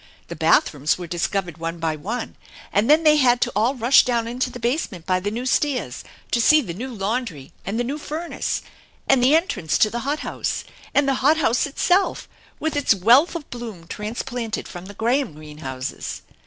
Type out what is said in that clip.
The bathrooms were discovered one by one, and then they had to all rush down into the base ment by the new stairs to see the new laundry and the new furnace, and the entrance to the hot house ; and the hot house itself, with its wealth of bloom transplanted from the Graham greenhouses.